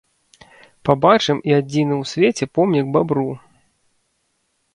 Пабачым і адзіны ў свеце помнік бабру!